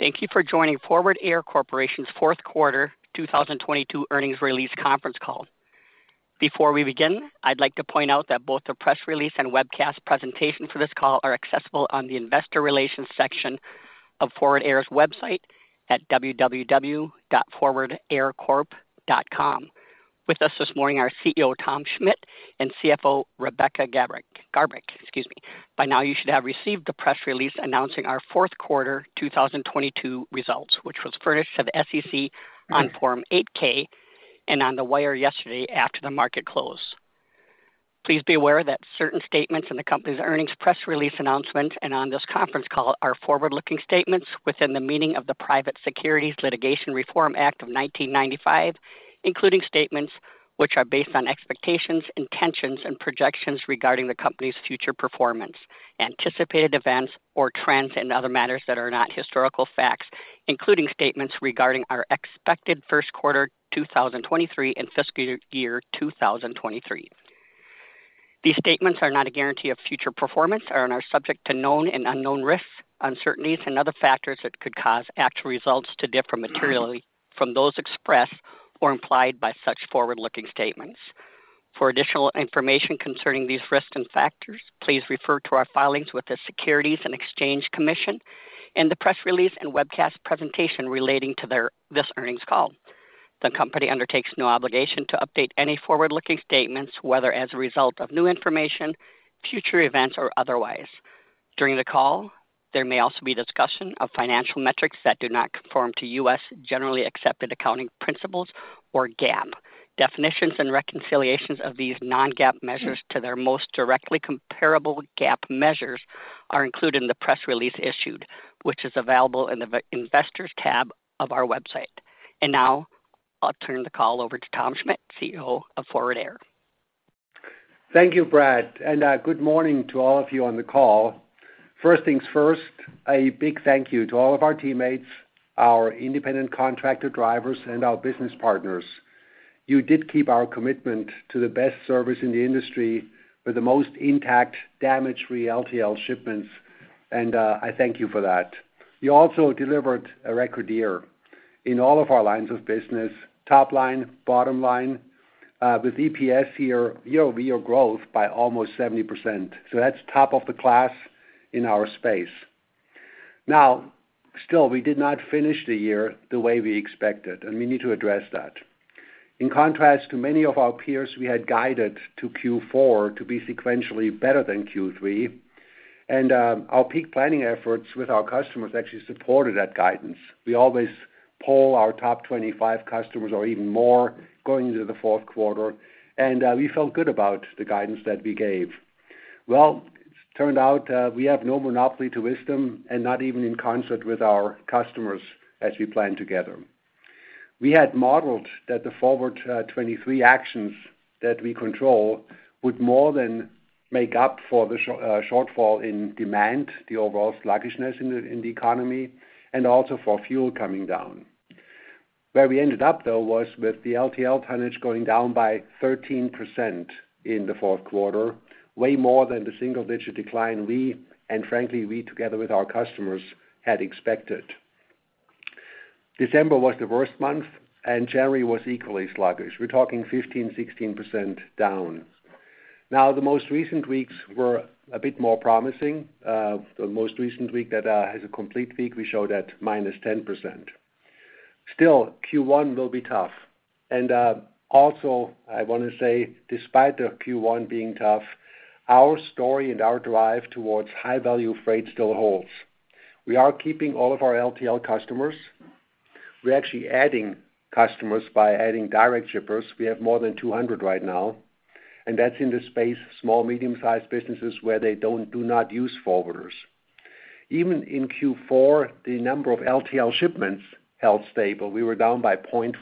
Thank you for joining Forward Air Corporation's fourth quarter 2022 earnings release conference call. Before we begin, I'd like to point out that both the press release and webcast presentation for this call are accessible on the investor relations section of Forward Air's website at www.forwardaircorp.com. With us this morning are CEO, Tom Schmitt, and CFO, Rebecca Garbrick, excuse me. By now, you should have received the press release announcing our fourth quarter 2022 results, which was furnished to the SEC on Form 8-K and on the wire yesterday after the market closed. Please be aware that certain statements in the company's earnings press release announcement and on this conference call are forward-looking statements within the meaning of the Private Securities Litigation Reform Act of 1995, including statements which are based on expectations, intentions, and projections regarding the company's future performance, anticipated events or trends, and other matters that are not historical facts, including statements regarding our expected first quarter 2023 and fiscal year 2023. These statements are not a guarantee of future performance and are subject to known and unknown risks, uncertainties, and other factors that could cause actual results to differ materially from those expressed or implied by such forward-looking statements. For additional information concerning these risks and factors, please refer to our filings with the Securities and Exchange Commission and the press release and webcast presentation relating to this earnings call. The company undertakes no obligation to update any forward-looking statements, whether as a result of new information, future events, or otherwise. During the call, there may also be discussion of financial metrics that do not conform to U.S. generally accepted accounting principles, or GAAP. Definitions and reconciliations of these non-GAAP measures to their most directly comparable GAAP measures are included in the press release issued, which is available in the investors tab of our website. Now I'll turn the call over to Tom Schmitt, CEO of Forward Air. Thank you, Brad. Good morning to all of you on the call. First things first, a big thank you to all of our teammates, our independent contractor drivers, and our business partners. You did keep our commitment to the best service in the industry with the most intact damage-free LTL shipments. I thank you for that. You also delivered a record year in all of our lines of business, top line, bottom line, with EPS year-over-year growth by almost 70%. That's top of the class in our space. Still, we did not finish the year the way we expected. We need to address that. In contrast to many of our peers we had guided to Q4 to be sequentially better than Q3. Our peak planning efforts with our customers actually supported that guidance. We always poll our top 25 customers or even more going into the fourth quarter, we felt good about the guidance that we gave. It's turned out, we have no monopoly to wisdom and not even in concert with our customers as we plan together. We had modeled that the Forward 23 actions that we control would more than make up for the shortfall in demand, the overall sluggishness in the economy, and also for fuel coming down. Where we ended up, though, was with the LTL tonnage going down by 13% in the fourth quarter, way more than the single-digit decline we, and frankly, we together with our customers, had expected. December was the worst month, and January was equally sluggish. We're talking 15%, 16% down. The most recent weeks were a bit more promising. The most recent week that is a complete week we showed at -10%. Q1 will be tough and also I want to say despite the Q1 being tough, our story and our drive towards high-value freight still holds. We are keeping all of our LTL customers. We're actually adding customers by adding direct shippers. We have more than 200 right now, and that's in the space small, medium-sized businesses where they do not use forwarders. In Q4, the number of LTL shipments held stable, we were down by 0.4%,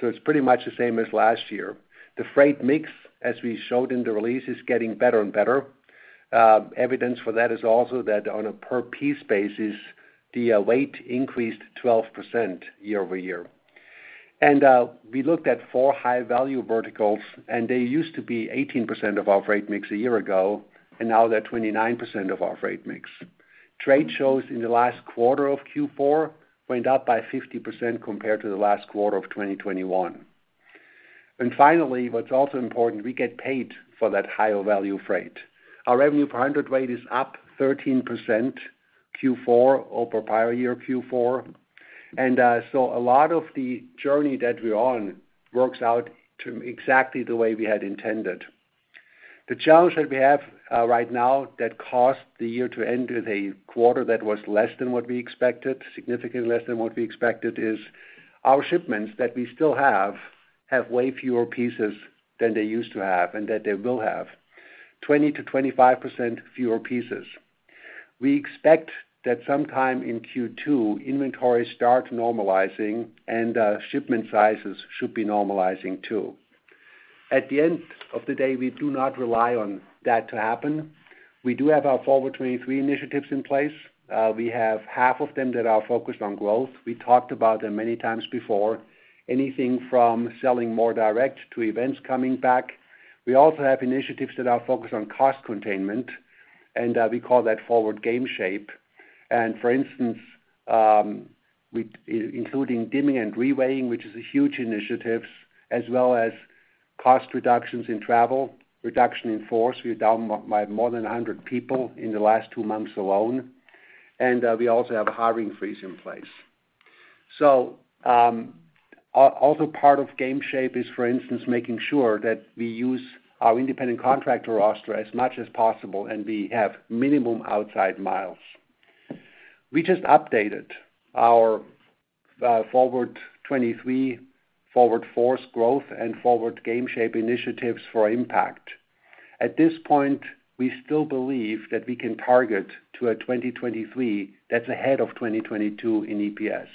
so it's pretty much the same as last year. The freight mix, as we showed in the release, is getting better and better. Evidence for that is also that on a per piece basis, the weight increased 12% year-over-year. We looked at four high-value verticals, and they used to be 18% of our freight mix a year ago, and now they're 29% of our freight mix. Trade shows in the last quarter of Q4 went up by 50% compared to the last quarter of 2021. Finally, what's also important, we get paid for that higher value freight. Our revenue per hundred weight is up 13% Q4 over prior year Q4. A lot of the journey that we're on works out to exactly the way we had intended. The challenge that we have, right now that caused the year to end with a quarter that was less than what we expected, significantly less than what we expected, is our shipments that we still have way fewer pieces than they used to have, and that they will have. 20%-25% fewer pieces. We expect that sometime in Q2, inventory start normalizing and shipment sizes should be normalizing too. At the end of the day, we do not rely on that to happen. We do have our Forward 23 initiatives in place. We have half of them that are focused on growth. We talked about them many times before. Anything from selling more direct to events coming back. We also have initiatives that are focused on cost containment, and we call that Forward Game Shape. For instance, including dimming and reweighing, which is a huge initiatives, as well as cost reductions in travel, reduction in force. We're down by more than 100 people in the last two months alone, and we also have a hiring freeze in place. Also part of Game Shape is, for instance, making sure that we use our independent contractor roster as much as possible, and we have minimum outside miles. We just updated our Forward 23, Forward Force Growth, and Forward Game Shape initiatives for impact. At this point, we still believe that we can target to a 2023 that's ahead of 2022 in EPS.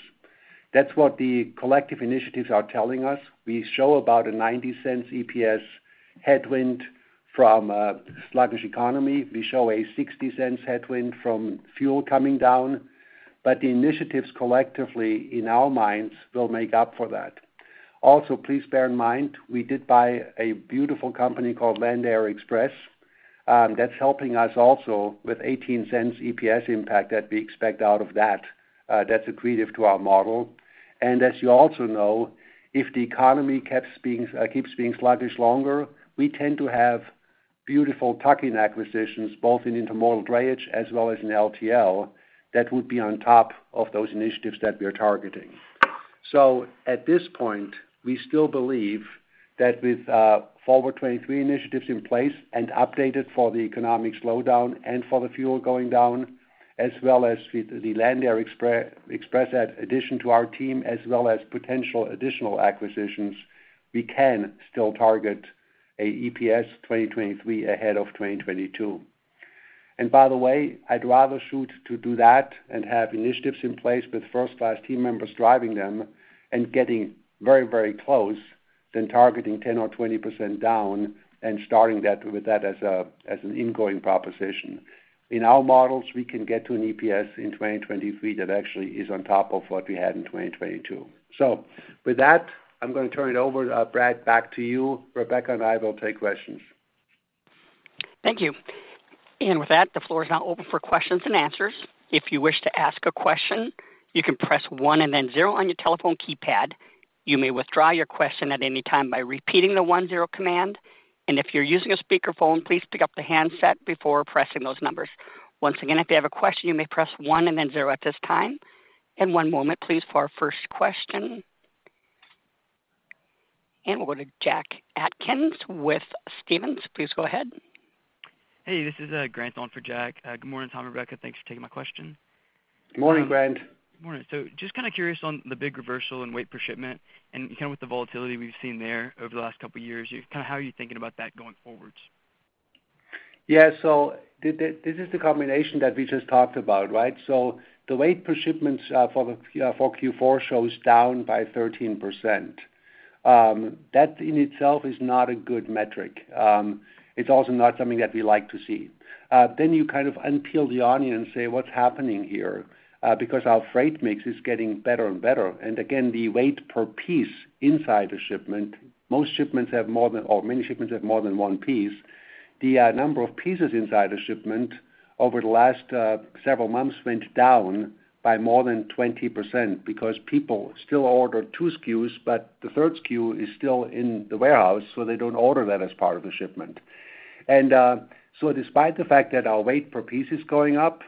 That's what the collective initiatives are telling us. We show about a $0.90 EPS headwind from a sluggish economy. We show a $0.60 headwind from fuel coming down, but the initiatives collectively, in our minds, will make up for that. Please bear in mind we did buy a beautiful company called Land Air Express that's helping us also with $0.18 EPS impact that we expect out of that's accretive to our model. As you also know, if the economy keeps being sluggish longer, we tend to have beautiful tuck-in acquisitions, both in intermodal drayage as well as in LTL. That would be on top of those initiatives that we are targeting. At this point, we still believe that with Forward 23 initiatives in place and updated for the economic slowdown and for the fuel going down, as well as with the Land Air Express addition to our team, as well as potential additional acquisitions, we can still target a EPS 2023 ahead of 2022. By the way, I'd rather shoot to do that and have initiatives in place with first-class team members driving them and getting very close than targeting 10% or 20% down and starting that with that as an ingoing proposition. In our models, we can get to an EPS in 2023 that actually is on top of what we had in 2022. With that, I'm gonna turn it over, Brad, back to you. Rebecca and I will take questions. Thank you. With that, the floor is now open for questions and answers. If you wish to ask a question, you can press one and then zero on your telephone keypad. You may withdraw your question at any time by repeating the one-zero command. If you're using a speakerphone, please pick up the handset before pressing those numbers. Once again, if you have a question, you may press one and then zero at this time. 1 moment please for our first question. We'll go to Jack Atkins with Stephens. Please go ahead. Hey, this is Grant on for Jack. Good morning, Tom and Rebecca. Thanks for taking my question. Morning, Grant. Morning. Just kinda curious on the big reversal in weight per shipment and, you know, with the volatility we've seen there over the last couple years. Kinda how are you thinking about that going forwards? Yeah. So this is the combination that we just talked about, right? The weight per shipments for Q4 shows down by 13%. That in itself is not a good metric. It's also not something that we like to see. You kind of unpeel the onion and say, "What's happening here?" Our freight mix is getting better and better. Again, the weight per piece inside a shipment, most shipments have more than or many shipments have more than one piece. The number of pieces inside a shipment over the last several months went down by more than 20% because people still order two SKUs, but the third SKU is still in the warehouse, so they don't order that as part of the shipment. Despite the fact that our weight per piece is going up,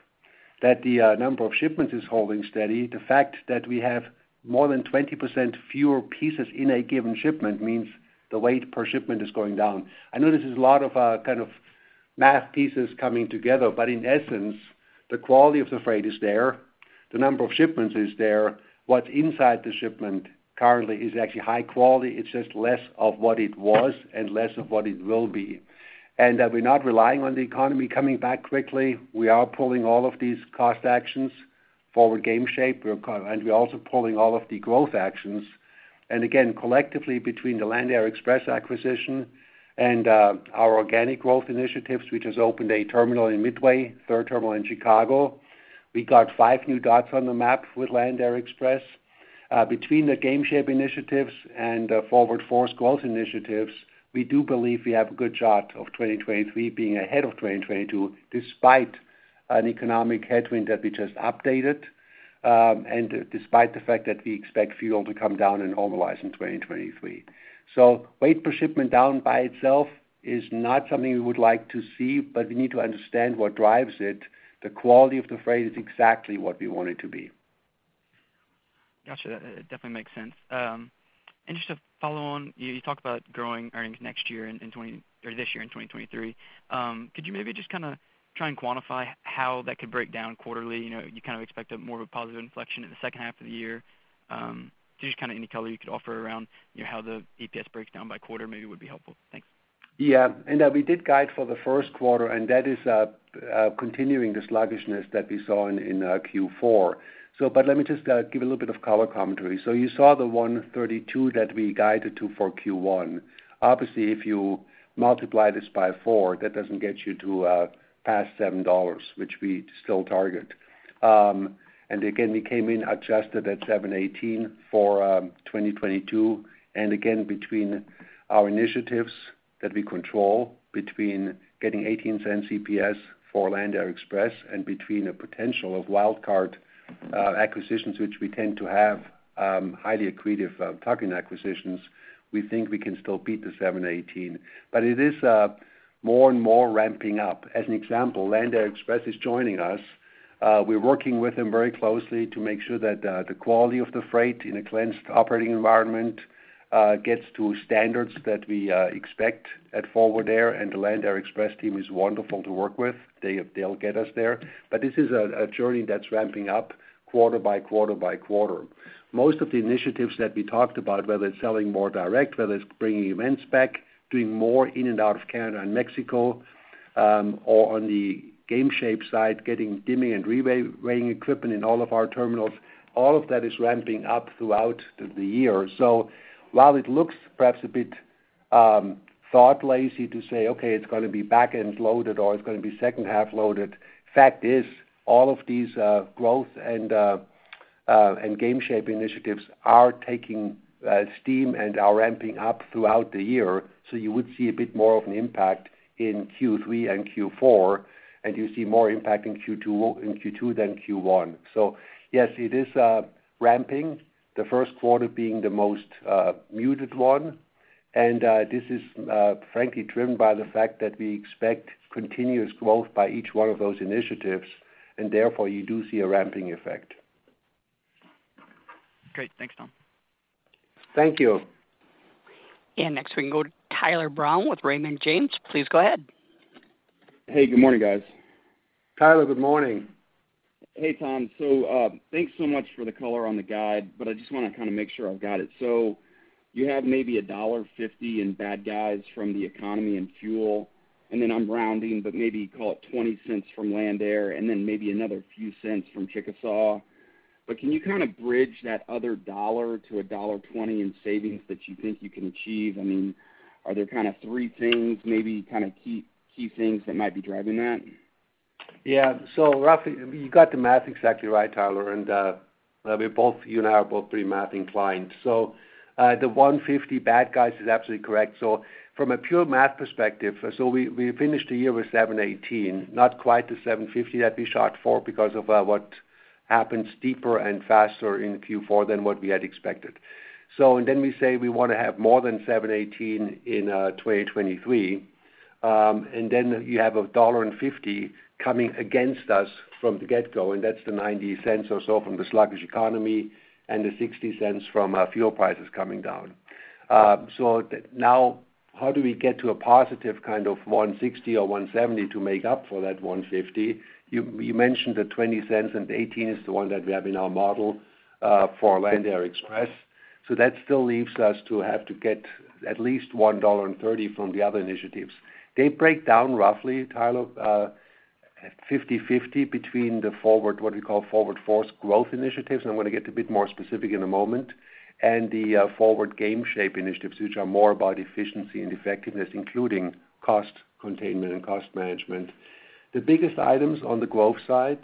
that the number of shipments is holding steady, the fact that we have more than 20% fewer pieces in a given shipment means the weight per shipment is going down. I know this is a lot of kind of math pieces coming together, but in essence, the quality of the freight is there, the number of shipments is there. What's inside the shipment currently is actually high quality. It's just less of what it was and less of what it will be. That we're not relying on the economy coming back quickly. We are pulling all of these cost actions, Forward Game Shape, we're also pulling all of the growth actions. Again, collectively, between the Land Air Express acquisition and our organic growth initiatives, which has opened a terminal in Midway, third terminal in Chicago. We got five new dots on the map with Land Air Express. Between the game shape initiatives and the forward force growth initiatives, we do believe we have a good shot of 2023 being ahead of 2022, despite an economic headwind that we just updated, and despite the fact that we expect fuel to come down and normalize in 2023. Weight per shipment down by itself is not something we would like to see, but we need to understand what drives it. The quality of the freight is exactly what we want it to be. Gotcha. That definitely makes sense. Just to follow on, you talked about growing earnings next year this year in 2023. Could you maybe just kinda try and quantify how that could break down quarterly? You know, you kind of expect a more of a positive inflection in the second half of the year. Just kinda any color you could offer around, you know, how the EPS breaks down by quarter, maybe would be helpful. Thanks. Yeah. We did guide for the first quarter, and that is continuing the sluggishness that we saw in Q4. Let me just give a little bit of color commentary. You saw the $1.32 that we guided to for Q1. Obviously, if you multiply this by four, that doesn't get you to past $7.00, which we still target. Again, we came in adjusted at $7.18 for 2022. Again, between our initiatives that we control, between getting $0.18 EPS for Land Air Express, and between a potential of wildcard acquisitions, which we tend to have, highly accretive tuck-in acquisitions, we think we can still beat the $7.18. It is more and more ramping up. As an example, Land Air Express is joining us. We're working with them very closely to make sure that the quality of the freight in a cleansed operating environment, gets to standards that we expect at Forward Air, and the Land Air Express team is wonderful to work with. They'll get us there. This is a journey that's ramping up quarter by quarter by quarter. Most of the initiatives that we talked about, whether it's selling more direct, whether it's bringing events back, doing more in and out of Canada and Mexico, or on the Game Shape side, getting dimming and reweighing equipment in all of our terminals, all of that is ramping up throughout the year. While it looks perhaps a bit, thought lazy to say, okay, it's gonna be back-end loaded or it's gonna be second half loaded, fact is, all of these, growth and Game Shape initiatives are taking, steam and are ramping up throughout the year. You would see a bit more of an impact in Q3 and Q4, and you see more impact in Q2 than Q1. Yes, it is, ramping, the first quarter being the most, muted one. This is, frankly driven by the fact that we expect continuous growth by each one of those initiatives, and therefore, you do see a ramping effect. Great. Thanks, Tom. Thank you. Next, we can go to Tyler Brown with Raymond James. Please go ahead. Hey, good morning, guys. Tyler, good morning. Hey, Tom. Thanks so much for the color on the guide, I just wanna kinda make sure I've got it. You have maybe $1.50 in bad guys from the economy and fuel, and then I'm rounding, maybe call it $0.20 from Land Air, and then maybe another few cents from Chickasaw. Can you kind of bridge that other $1-$1.20 in savings that you think you can achieve? I mean, are there kind of three things, maybe kind of key things that might be driving that? Yeah. Roughly, you got the math exactly right, Tyler, and, we both, you and I are both pretty math inclined. The $1.50 bad guys is absolutely correct. From a pure math perspective, we finished the year with $7.18, not quite the $7.50 that we shot for because of, what happens deeper and faster in Q4 than what we had expected. Then we say we wanna have more than $7.18 in 2023. You have $1.50 coming against us from the get-go, that's the $0.90 or so from the sluggish economy and the $0.60 from, fuel prices coming down. Now how do we get to a positive kind of $1.60 or $1.70 to make up for that $1.50? You mentioned the $0.20, and $0.18 is the one that we have in our model for Land Air Express. That still leaves us to have to get at least $1.30 from the other initiatives. They break down roughly, Tyler, 50/50 between the what we call Forward Force Growth initiatives, and I'm gonna get a bit more specific in a moment, and the Forward Game Shape initiatives, which are more about efficiency and effectiveness, including cost containment and cost management. The biggest items on the growth side,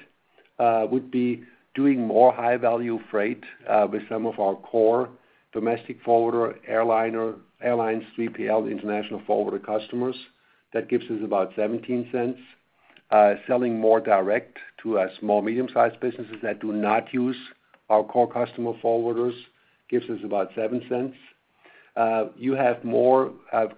would be doing more high-value freight, with some of our core domestic forwarder, airlines, 3PL, international forwarder customers. That gives us about $0.17. Selling more direct to small, medium-sized businesses that do not use our core customer forwarders gives us about $0.07. You have more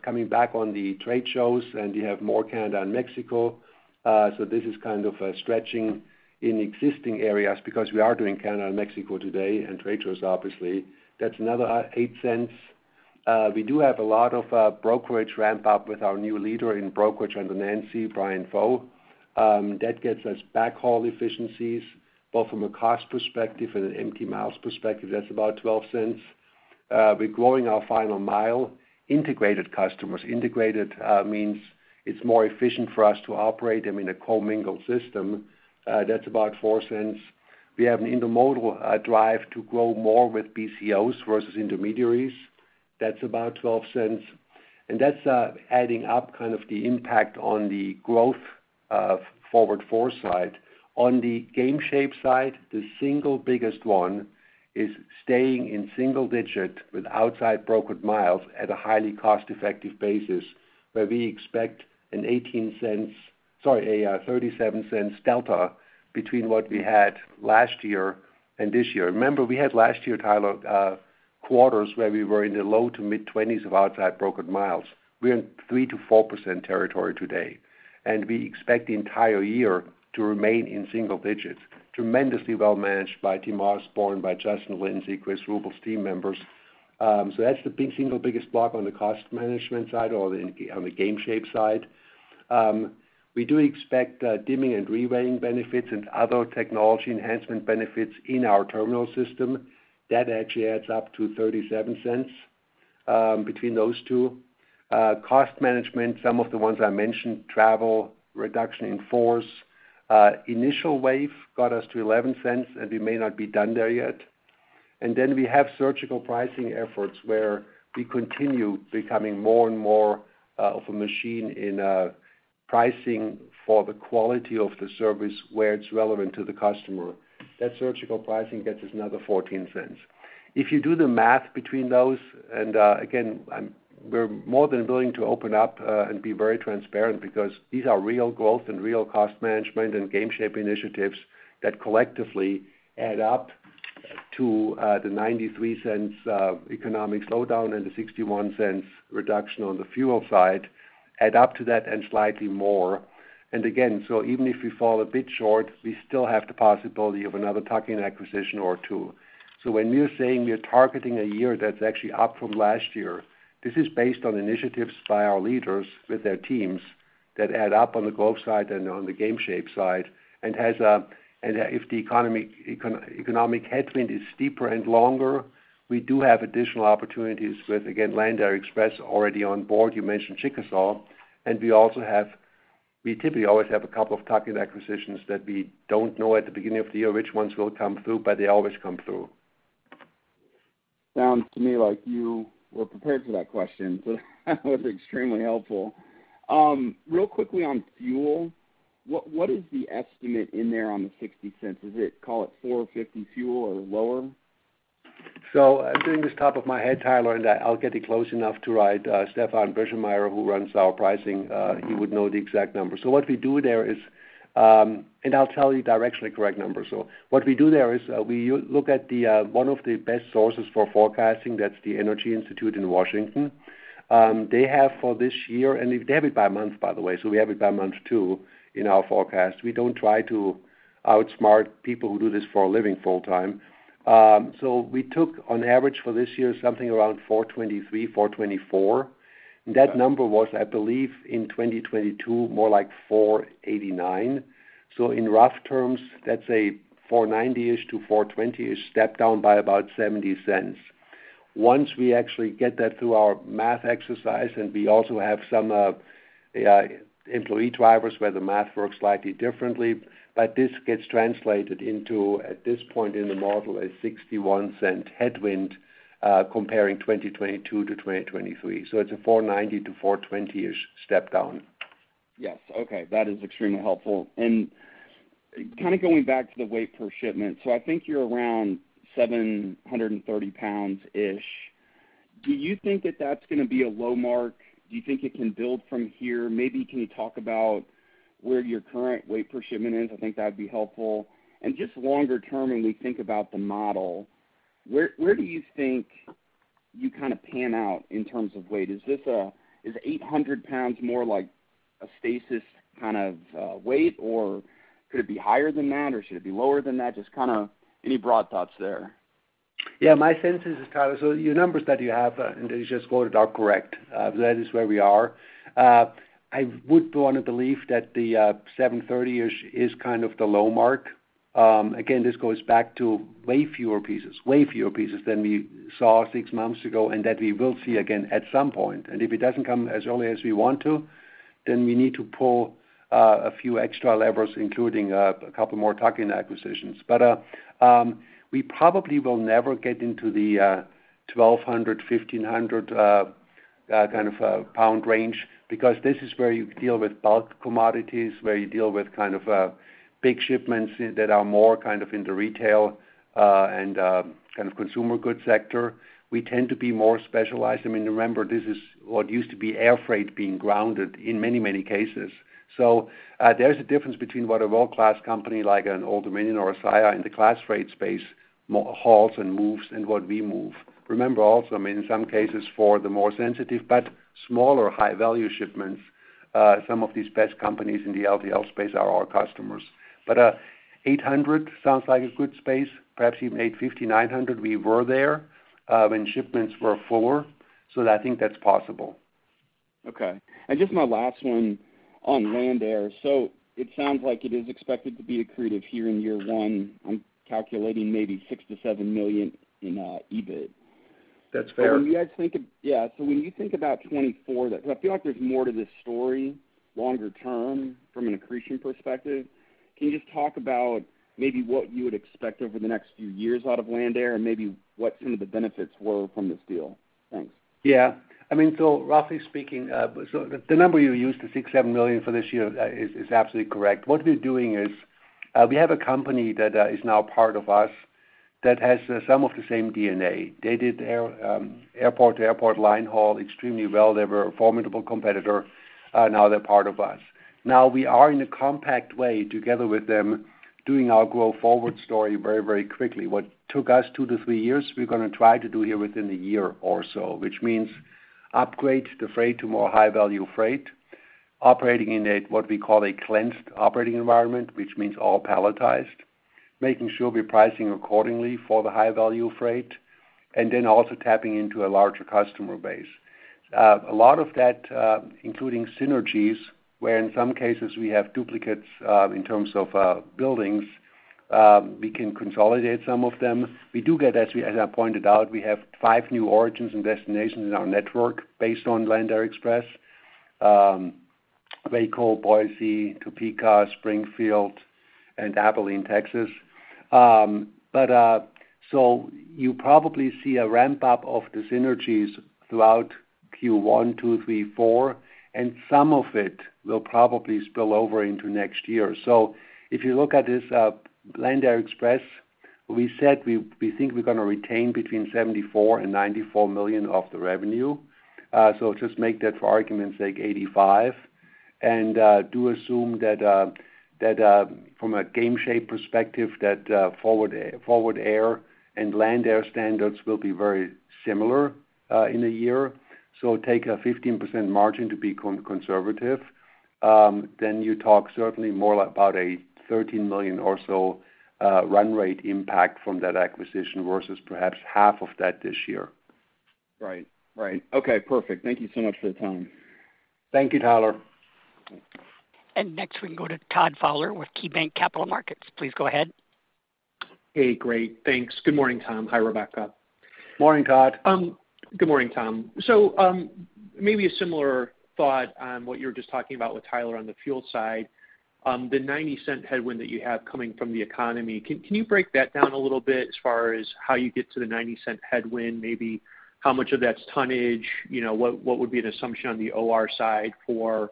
coming back on the trade shows. You have more Canada and Mexico. This is kind of stretching in existing areas because we are doing Canada and Mexico today and trade shows, obviously. That's another $0.08. We do have a lot of brokerage ramp up with our new leader in brokerage under Nancee, Brian Foe. That gets us backhaul efficiencies, both from a cost perspective and an empty miles perspective. That's about $0.12. We're growing our final mile integrated customers. Integrated means it's more efficient for us to operate them in a co-mingled system. That's about $0.04. We have an intermodal drive to grow more with BCOs versus intermediaries. That's about $0.12. That's adding up kind of the impact on the growth of forward Force side. On the Game Shape side, the single biggest one is staying in single digit with outside brokered miles at a highly cost-effective basis, where we expect a $0.37 delta between what we had last year and this year. Remember, we had last year, Tyler, quarters where we were in the low to mid-20s of outside brokered miles. We're in 3%-4% territory today, and we expect the entire year to remain in single digits. Tremendously well managed by Tim Osborne, by Justin Lindsay, Chris Ruble's team members. That's the single biggest block on the cost management side or on the Game Shape side. We do expect dimming and reweighing benefits and other technology enhancement benefits in our terminal system. That actually adds up to $0.37 between those two. Cost management, some of the ones I mentioned, travel, reduction in force. Initial wave got us to $0.11. We may not be done there yet. We have surgical pricing efforts where we continue becoming more and more of a machine in Pricing for the quality of the service where it's relevant to the customer. That surgical pricing gets us another $0.14. If you do the math between those, again, we're more than willing to open up and be very transparent because these are real growth and real cost management and Game Shape initiatives that collectively add up to the $0.93 economic slowdown and the $0.61 reduction on the fuel side, add up to that and slightly more. Even if we fall a bit short, we still have the possibility of another tuck-in acquisition or two. When we're saying we're targeting a year that's actually up from last year, this is based on initiatives by our leaders with their teams that add up on the growth side and on the Game Shape side, and if the economic headwind is steeper and longer, we do have additional opportunities with, again, Land Air Express already on board. You mentioned Chickasaw, we typically always have a couple of tuck-in acquisitions that we don't know at the beginning of the year which ones will come through, but they always come through. Sounds to me like you were prepared for that question, so that was extremely helpful. real quickly on fuel, what is the estimate in there on the $0.60? Is it, call it $4.50 fuel or lower? I'm doing this top of my head, Tyler, and I'll get it close enough to write. Stefan Brischmeier, who runs our pricing, he would know the exact number. What we do there is, I'll tell you directionally correct numbers. What we do there is, we look at the one of the best sources for forecasting, that's the Energy Institute in Washington. They have for this year, and they have it by month, by the way, so we have it by month too in our forecast. We don't try to outsmart people who do this for a living full-time. We took on average for this year, something around $4.23-$4.24. That number was, I believe, in 2022, more like $4.89. In rough terms, let's say 490-ish to 420-ish, step down by about $0.70. Once we actually get that through our math exercise, and we also have some employee drivers where the math works slightly differently, but this gets translated into, at this point in the model, a $0.61 headwind comparing 2022 to 2023. It's a 490 to 420-ish step down. Yes. Okay. That is extremely helpful. Kind of going back to the weight per shipment. I think you're around 730 pounds-ish. Do you think that that's gonna be a low mark? Do you think it can build from here? Maybe can you talk about where your current weight per shipment is? I think that'd be helpful. Just longer term, when we think about the model, where do you think you kind of pan out in terms of weight? Is 800 pounds more like a stasis kind of weight, or could it be higher than that, or should it be lower than that? Just kinda any broad thoughts there. Yeah. My sense is, Tyler, so your numbers that you have, and you just quoted are correct. That is where we are. I would wanna believe that the 730-ish is kind of the low mark. Again, this goes back to way fewer pieces than we saw six months ago, and that we will see again at some point. If it doesn't come as early as we want to, then we need to pull a few extra levers, including a couple more tuck-in acquisitions. We probably will never get into the 1,200, 1,500 kind of a pound range because this is where you deal with bulk commodities, where you deal with kind of big shipments that are more kind of in the retail and kind of consumer goods sector. We tend to be more specialized. I mean, remember, this is what used to be air freight being grounded in many, many cases. There's a difference between what a world-class company like an Old Dominion or a Saia in the class freight space hauls and moves and what we move. Remember also, I mean, in some cases for the more sensitive but smaller high-value shipments, some of these best companies in the LTL space are our customers. 800 sounds like a good space. Perhaps even 850, 900. We were there when shipments were fuller, so I think that's possible Okay. just my last one on Land Air. it sounds like it is expected to be accretive here in year one. I'm calculating maybe $6 million-$7 million in EBIT. That's fair. Yeah. When you think about 2024, because I feel like there's more to this story longer term from an accretion perspective. Can you just talk about maybe what you would expect over the next few years out of Land Air and maybe what some of the benefits were from this deal? Thanks. Yeah. I mean, roughly speaking, the number you used, the $6 million-$7 million for this year is absolutely correct. What we're doing is, we have a company that is now part of us that has some of the same DNA. They did air, airport to airport line haul extremely well. They were a formidable competitor. Now they're part of us. Now we are in a compact way together with them doing our growth forward story very, very quickly. What took us two-three years, we're gonna try to do here within one year or so, which means upgrade the freight to more high-value freight, operating in a, what we call a cleansed operating environment, which means all palletized, making sure we're pricing accordingly for the high-value freight, and then also tapping into a larger customer base. A lot of that, including synergies, where in some cases we have duplicates, in terms of buildings, we can consolidate some of them. We do get, as I pointed out, we have five new origins and destinations in our network based on Land Air Express. Waco, Boise, Topeka, Springfield and Abilene, Texas. You probably see a ramp up of the synergies throughout Q1, Q2, Q3, Q4, and some of it will probably spill over into next year. If you look at this, Land Air Express, we said we think we're gonna retain between $74 million and $94 million of the revenue. Just make that, for argument's sake, $85 million. Do assume that from a Forward Game Shape perspective, that Forward Air and Land Air standards will be very similar in a year. Take a 15% margin to be conservative. You talk certainly more like about a $13 million or so run rate impact from that acquisition versus perhaps half of that this year. Right. Right. Okay, perfect. Thank you so much for the time. Thank you, Tyler. Next, we can go to Todd Fowler with KeyBanc Capital Markets. Please go ahead. Hey, great. Thanks. Good morning, Tom. Hi, Rebecca. Morning, Todd. Good morning, Tom. Maybe a similar thought on what you were just talking about with Tyler on the fuel side. The $0.90 headwind that you have coming from the economy, can you break that down a little bit as far as how you get to the $0.90 headwind? Maybe how much of that's tonnage? You know, what would be an assumption on the OR side for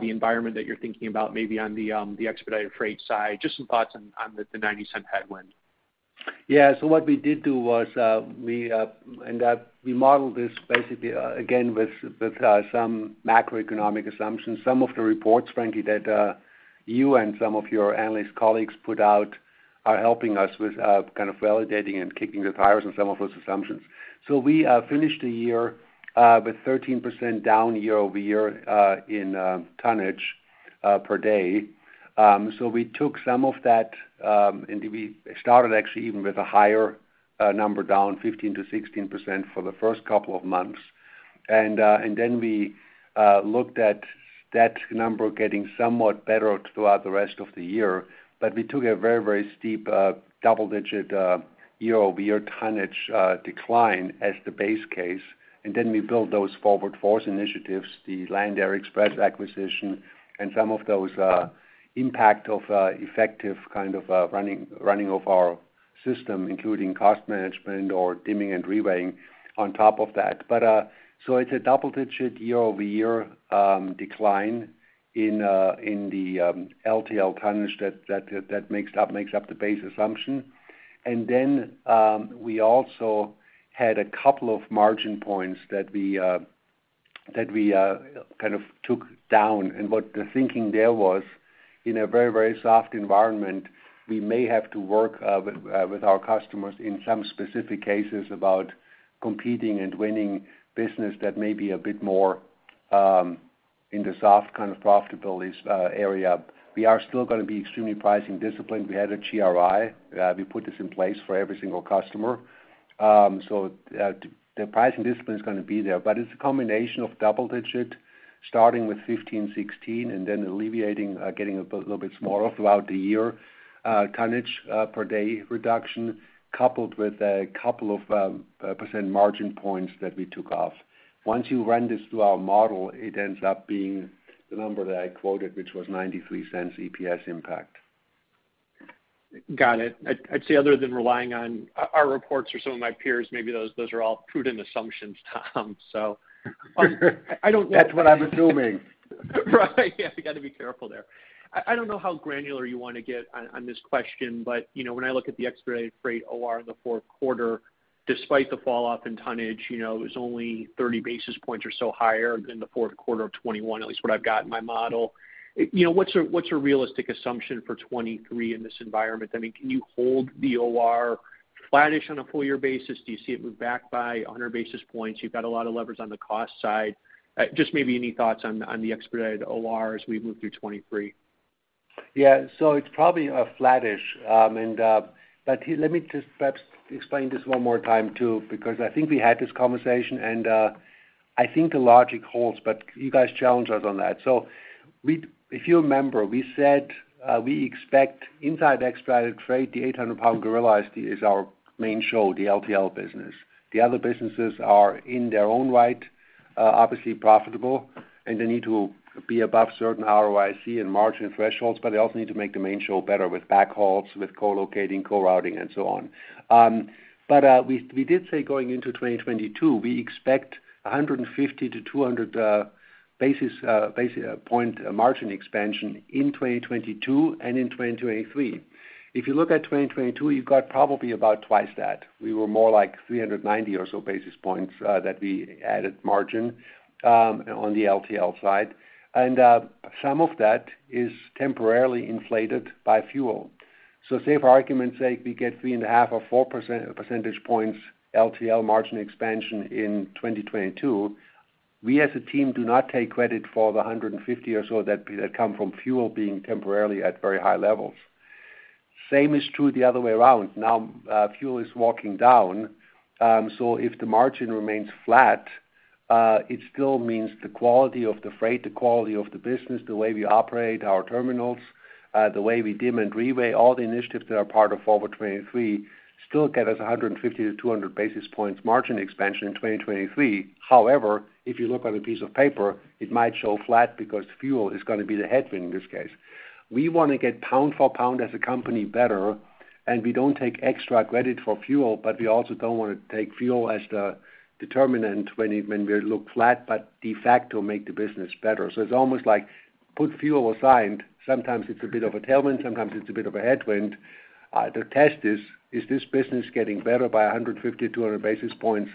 the environment that you're thinking about maybe on the expedited freight side? Just some thoughts on the $0.90 headwind. Yeah. What we did do was, we modeled this basically again, with some macroeconomic assumptions. Some of the reports, frankly, that you and some of your analyst colleagues put out are helping us with kind of validating and kicking the tires on some of those assumptions. We finished the year with 13% down year-over-year in tonnage per day. We took some of that, and we started actually even with a higher number down 15%-16% for the first couple of months. Then we looked at that number getting somewhat better throughout the rest of the year. We took a very, very steep double-digit year-over-year tonnage decline as the base case. We built those Forward Force initiatives, the Land Air Express acquisition, and some of those impact of effective kind of running of our system, including cost management or dimming and reweighing on top of that. It's a double-digit year-over-year decline in the LTL tonnage that makes up the base assumption. We also had a couple of margin points that we kind of took down. What the thinking there was, in a very, very soft environment, we may have to work with our customers in some specific cases about competing and winning business that may be a bit more in the soft kind of profitability's area. We are still gonna be extremely pricing disciplined. We had a GRI, we put this in place for every single customer. The pricing discipline is gonna be there. It's a combination of double-digit, starting with 15, 16, and then alleviating, getting a little bit smaller throughout the year, tonnage per day reduction, coupled with a couple of percent margin points that we took off. Once you run this through our model, it ends up being the number that I quoted, which was $0.93 EPS impact. Got it. I'd say other than relying on our reports or some of my peers, maybe those are all prudent assumptions, Tom. That's what I'm assuming. Right. You got to be careful there. I don't know how granular you want to get on this question, but, you know, when I look at the expedited freight OR in the fourth quarter, despite the fall off in tonnage, you know, it was only 30 basis points or so higher than the fourth quarter of 2021, at least what I've got in my model. You know, what's a realistic assumption for 2023 in this environment? I mean, can you hold the OR flattish on a full year basis? Do you see it move back by 100 basis points? You've got a lot of levers on the cost side. Just maybe any thoughts on the expedited OR as we move through 2023. It's probably flattish. But here, let me just perhaps explain this one more time too, because I think we had this conversation, and I think the logic holds, but you guys challenged us on that. If you remember, we said, we expect inside the expedited freight, the 800 pound gorilla is our main show, the LTL business. The other businesses are, in their own right, obviously profitable, and they need to be above certain ROIC and margin thresholds, but they also need to make the main show better with backhauls, with co-locating, co-routing, and so on. We, we did say going into 2022, we expect 150-200 basis point margin expansion in 2022 and in 2023. If you look at 2022, you've got probably about twice that. We were more like 390 or so basis points that we added margin on the LTL side. Some of that is temporarily inflated by fuel. Say for argument's sake, we get 3.5 or 4 percentage points LTL margin expansion in 2022, we as a team do not take credit for the 150 or so that come from fuel being temporarily at very high levels. Same is true the other way around. Now, fuel is walking down. If the margin remains flat, it still means the quality of the freight, the quality of the business, the way we operate our terminals, the way we dimming and reweighing, all the initiatives that are part of Forward 23 still get us 150 to 200 basis points margin expansion in 2023. If you look on a piece of paper, it might show flat because fuel is gonna be the headwind in this case. We wanna get pound for pound as a company better, and we don't take extra credit for fuel, but we also don't wanna take fuel as the determinant when we look flat, but de facto make the business better. It's almost like put fuel aside. Sometimes it's a bit of a tailwind, sometimes it's a bit of a headwind. The test is this business getting better by 150-200 basis points,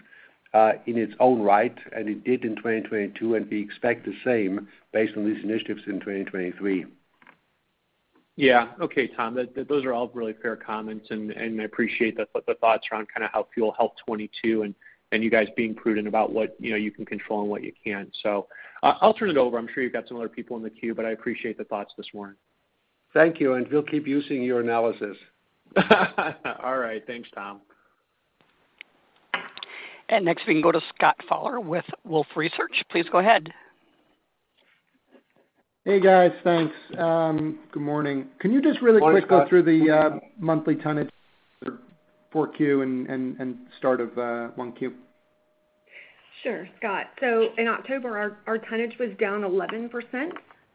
in its own right? It did in 2022, and we expect the same based on these initiatives in 2023. Yeah. Okay, Tom. Those are all really fair comments, and I appreciate the thoughts around kinda how fuel helped 2022 and you guys being prudent about what, you know, you can control and what you can't. I'll turn it over. I'm sure you've got some other people in the queue. I appreciate the thoughts this morning. Thank you. We'll keep using your analysis. All right. Thanks, Tom. Next we can go to Scott Group with Wolfe Research. Please go ahead. Hey, guys. Thanks. Good morning. Morning, Scott. Can you just really quickly go through the monthly tonnage for 4Q and start of 1Q? Sure, Scott. In October, our tonnage was down 11%.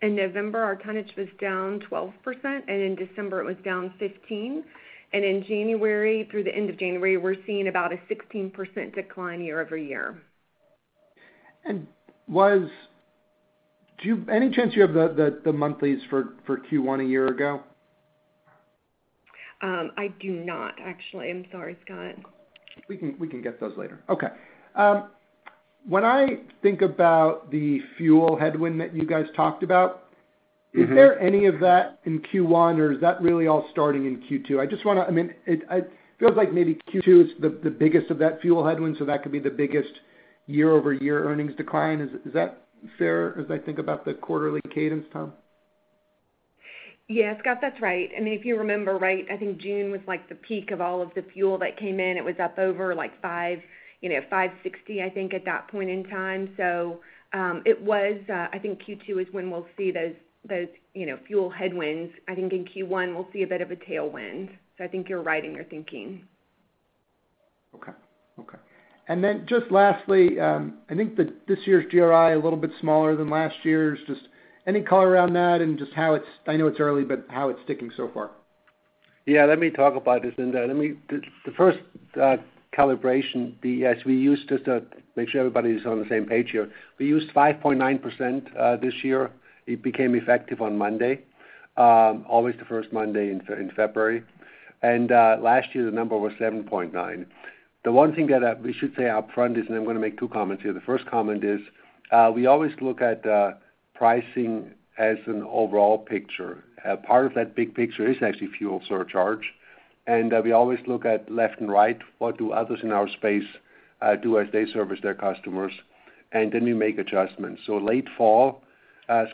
In November, our tonnage was down 12%, and in December it was down 15%. In January, through the end of January, we're seeing about a 16% decline year-over-year. Any chance you have the monthlies for Q1 a year ago? I do not, actually. I'm sorry, Scott. We can get those later. Okay. When I think about the fuel headwind that you guys talked about. Mm-hmm Is there any of that in Q1, or is that really all starting in Q2? I just wanna. I mean, it feels like maybe Q2 is the biggest of that fuel headwind, so that could be the biggest year-over-year earnings decline. Is that fair, as I think about the quarterly cadence, Tom? Yeah, Scott, that's right. I mean, if you remember, right, I think June was like the peak of all of the fuel that came in. It was up over like $5.60, I think, at that point in time. I think Q2 is when we'll see those, you know, fuel headwinds. I think in Q1 we'll see a bit of a tailwind. I think you're right in your thinking. Okay. Okay. Just lastly, I think the, this year's GRI a little bit smaller than last year's. Just any color around that and I know it's early, but how it's sticking so far? Yeah, let me talk about this. The first calibration, the S we used, just to make sure everybody's on the same page here, we used 5.9% this year. It became effective on Monday, always the first Monday in February. Last year, the number was 7.9%. The one thing that we should say up front is, and I'm gonna make two comments here. The first comment is, we always look at pricing as an overall picture. Part of that big picture is actually fuel surcharge, and we always look at left and right, what do others in our space do as they service their customers, and then we make adjustments. Late fall,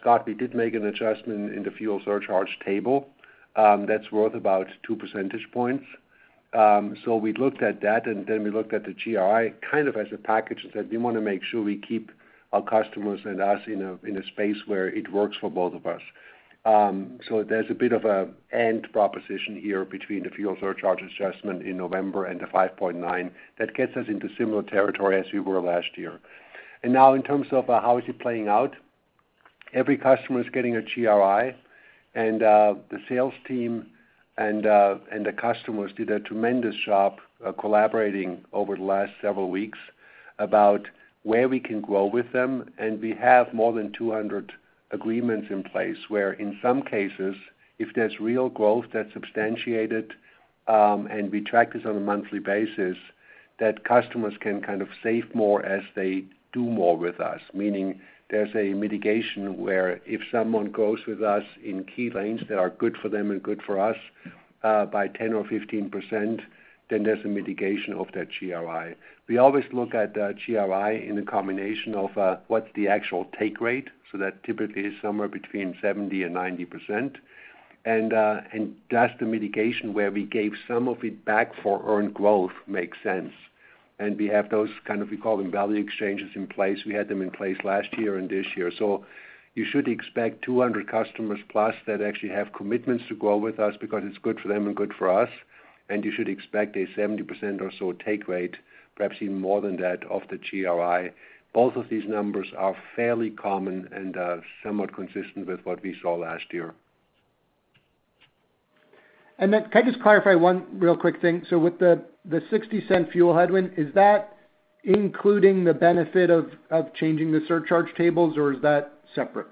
Scott, we did make an adjustment in the fuel surcharge table, that's worth about 2 percentage points. We looked at that, and then we looked at the GRI kind of as a package and said, "We wanna make sure we keep our customers and us in a space where it works for both of us." There's a bit of a and proposition here between the fuel surcharge adjustment in November and the 5.9% that gets us into similar territory as we were last year. Now in terms of how is it playing out, every customer is getting a GRI, and the sales team and the customers did a tremendous job collaborating over the last several weeks about where we can grow with them. We have more than 200 agreements in place where in some cases, if there's real growth that's substantiated, and we track this on a monthly basis, that customers can kind of save more as they do more with us, meaning there's a mitigation where if someone grows with us in key lanes that are good for them and good for us, by 10% or 15%, then there's a mitigation of that GRI. We always look at GRI in a combination of what's the actual take rate, so that typically is somewhere between 70% and 90%, and that's the mitigation where we gave some of it back for earned growth makes sense. We have those kind of, we call them value exchanges in place. We had them in place last year and this year. You should expect 200 customers plus that actually have commitments to grow with us because it's good for them and good for us. You should expect a 70% or so take rate, perhaps even more than that, of the GRI. Both of these numbers are fairly common and somewhat consistent with what we saw last year. Can I just clarify one real quick thing? With the $0.60 fuel headwind, is that including the benefit of changing the surcharge tables, or is that separate?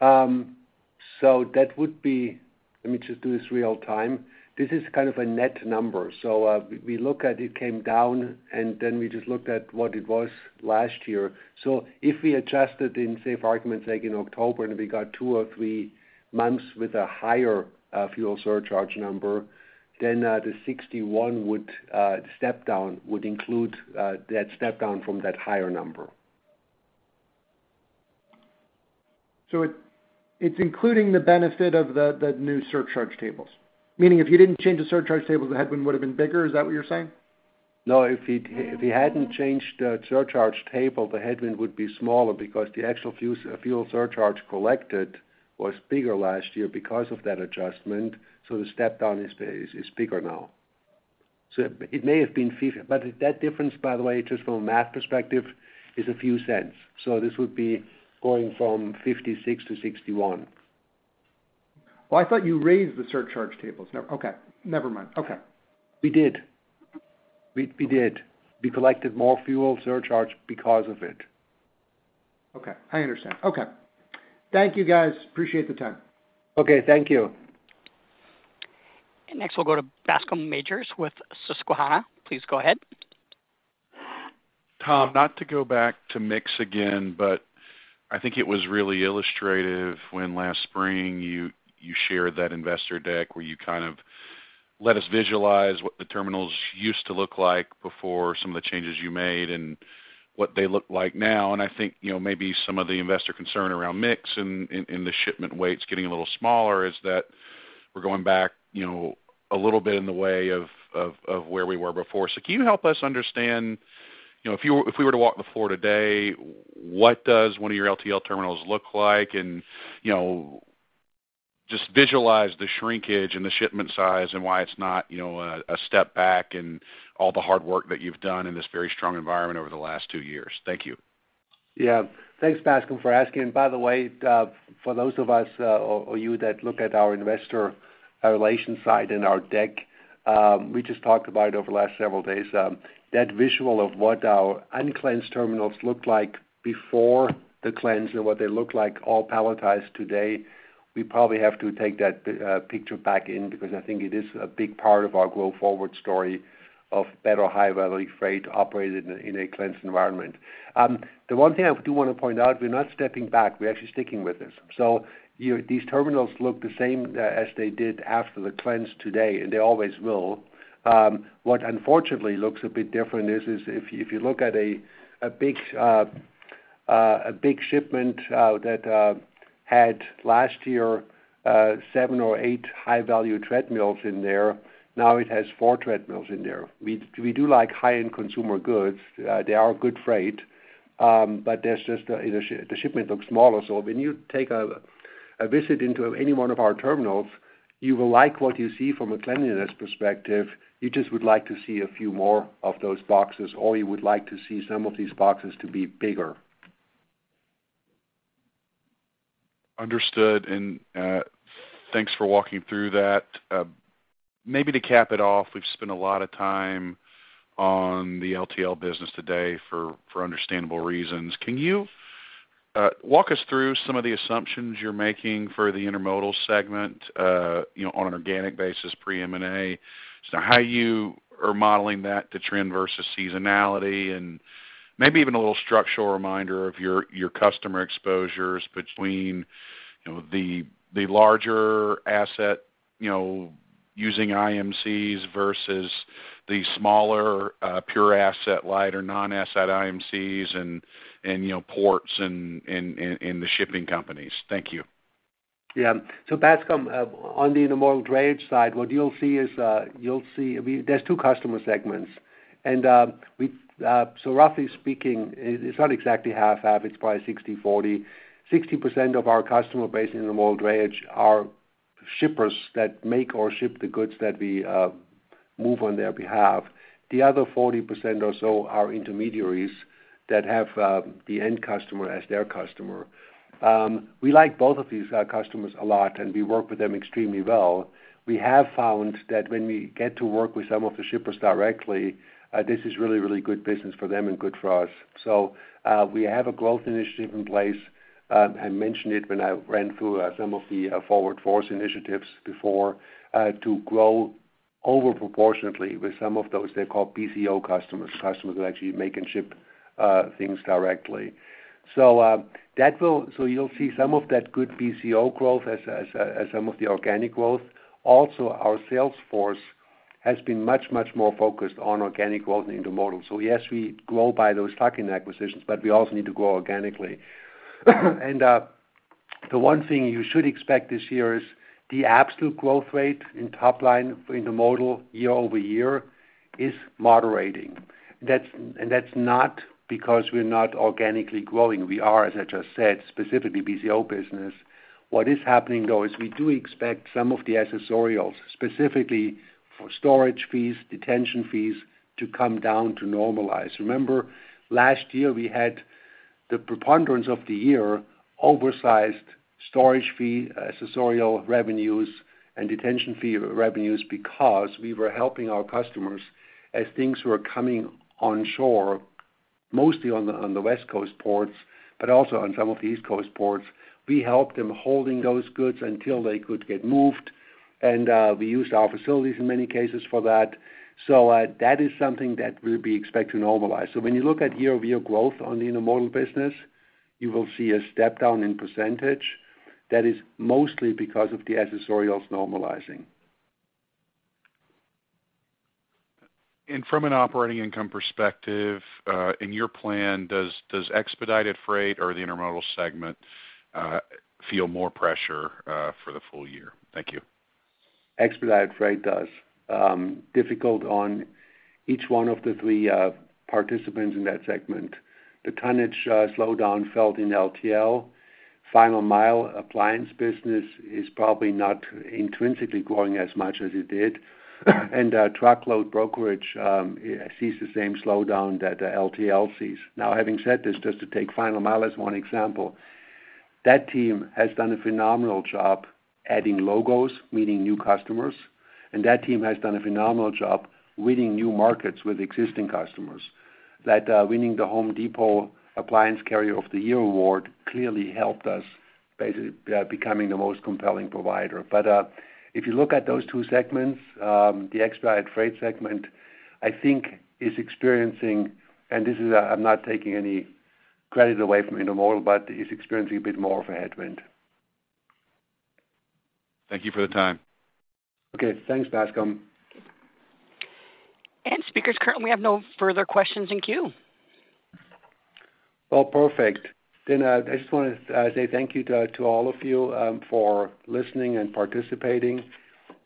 That would be. Let me just do this real time. This is kind of a net number. We look at it came down, and then we just looked at what it was last year. If we adjusted in, say, for argument's sake, in October, and we got two or three months with a higher fuel surcharge number, the 61 would step down, would include that step down from that higher number. It's including the benefit of the new surcharge tables. Meaning if you didn't change the surcharge tables, the headwind would've been bigger. Is that what you're saying? No. If you'd, if you hadn't changed the surcharge table, the headwind would be smaller because the actual fuel surcharge collected was bigger last year because of that adjustment, the step down is bigger now. It may have been but that difference, by the way, just from a math perspective, is a few cents. This would be going from $0.56-$0.61. I thought you raised the surcharge tables. No. Okay, never mind. Okay. We did. We did. We collected more fuel surcharge because of it. Okay, I understand. Okay. Thank you, guys. Appreciate the time. Okay, thank you. Next, we'll go to Bascome Majors with Susquehanna. Please go ahead. Tom, not to go back to mix again, I think it was really illustrative when last spring you shared that investor deck where you kind of let us visualize what the terminals used to look like before some of the changes you made and what they look like now. I think, you know, maybe some of the investor concern around mix and the shipment weights getting a little smaller is that we're going back, you know, a little bit in the way of where we were before. Can you help us understand, you know, if we were to walk the floor today, what does one of your LTL terminals look like? You know, just visualize the shrinkage and the shipment size and why it's not, you know, a step back in all the hard work that you've done in this very strong environment over the last two years. Thank you. Thanks, Bascome, for asking. By the way, for those of us, or you that look at our investor relations side and our deck, we just talked about over the last several days, that visual of what our uncleansed terminals looked like before the cleanse and what they look like all palletized today. We probably have to take that picture back in because I think it is a big part of our go forward story of better high-value freight operated in a cleansed environment. The one thing I do want to point out, we're not stepping back. We're actually sticking with this. These terminals look the same as they did after the cleanse today, and they always will. What unfortunately looks a bit different is if you look at a big shipment that had last year seven or eight high-value treadmills in there, now it has four treadmills in there. We do like high-end consumer goods. They are good freight, but the shipment looks smaller. When you take a visit into any one of our terminals, you will like what you see from a cleanliness perspective. You just would like to see a few more of those boxes, or you would like to see some of these boxes to be bigger. Understood. Thanks for walking through that. Maybe to cap it off, we've spent a lot of time on the LTL business today for understandable reasons. Can you walk us through some of the assumptions you're making for the intermodal segment, you know, on an organic basis, pre-M&A? How you are modeling that, the trend versus seasonality, and maybe even a little structural reminder of your customer exposures between, you know, the larger asset, you know, using IMCs versus the smaller, pure asset light or non-asset IMCs and, you know, ports and the shipping companies. Thank you. Yeah. Bascome, on the intermodal drayage side, what you'll see is there's 2 customer segments. Roughly speaking, it's not exactly half, it's probably 60, 40. 60% of our customer base in intermodal drayage are shippers that make or ship the goods that we move on their behalf. The other 40% or so are intermediaries that have the end customer as their customer. We like both of these customers a lot, and we work with them extremely well. We have found that when we get to work with some of the shippers directly, this is really, really good business for them and good for us. We have a growth initiative in place. I mentioned it when I ran through some of the Forward Force initiatives before, to grow over proportionately with some of those. They're called BCO customers who actually make and ship things directly. You'll see some of that good BCO growth as some of the organic growth. Also, our sales force has been much more focused on organic growth in intermodal. Yes, we grow by those tuck-in acquisitions, but we also need to grow organically. The one thing you should expect this year is the absolute growth rate in top line intermodal year-over-year is moderating. That's not because we're not organically growing. We are, as I just said, specifically BCO business. What is happening, though, is we do expect some of the accessorials, specifically for storage fees, detention fees, to come down to normalize. Remember, last year, we had the preponderance of the year oversized storage fee, accessorial revenues, and detention fee revenues because we were helping our customers as things were coming onshore, mostly on the West Coast ports, but also on some of the East Coast ports. We helped them holding those goods until they could get moved, and we used our facilities in many cases for that. That is something that will be expect to normalize. When you look at year-over-year growth on the intermodal business, you will see a step down in percentage. That is mostly because of the accessorials normalizing. From an operating income perspective, in your plan, does expedited freight or the intermodal segment feel more pressure for the full year? Thank you. Expedited freight does. Difficult on each one of the three participants in that segment. The tonnage slowdown felt in LTL, final mile appliance business is probably not intrinsically growing as much as it did. Truckload brokerage sees the same slowdown that LTL sees. Having said this, just to take final mile as one example, that team has done a phenomenal job adding logos, meeting new customers, and that team has done a phenomenal job winning new markets with existing customers. That winning The Home Depot Appliance Carrier of the Year award clearly helped us becoming the most compelling provider. If you look at those two segments, the expedite freight segment, I think is experiencing, and this is I'm not taking any credit away from Intermodal, but is experiencing a bit more of a headwind. Thank you for the time. Okay. Thanks, Bascom. Speakers, currently we have no further questions in queue. Well, perfect. I just wanna say thank you to all of you for listening and participating.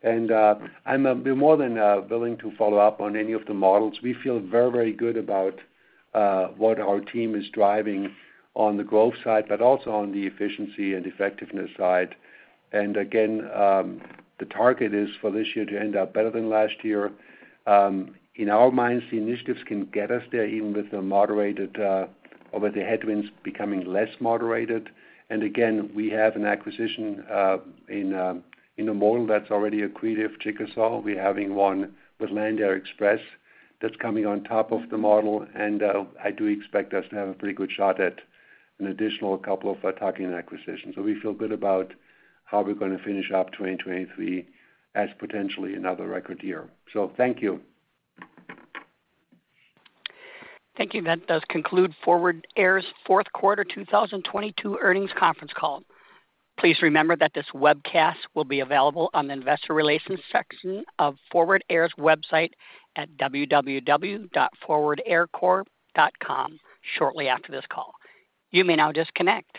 I'm be more than willing to follow up on any of the models. We feel very good about what our team is driving on the growth side, but also on the efficiency and effectiveness side. Again, the target is for this year to end up better than last year. In our minds, the initiatives can get us there even with a moderated, or with the headwinds becoming less moderated. Again, we have an acquisition in a model that's already accretive, Chickasaw. We're having one with Land Air Express that's coming on top of the model. I do expect us to have a pretty good shot at an additional couple of attacking acquisitions. We feel good about how we're gonna finish up 2023 as potentially another record year. Thank you. Thank you. That does conclude Forward Air's fourth quarter 2022 earnings conference call. Please remember that this webcast will be available on the investor relations section of Forward Air's website at www.forwardaircorp.com shortly after this call. You may now disconnect.